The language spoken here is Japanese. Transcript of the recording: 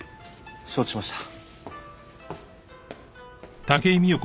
承知しました。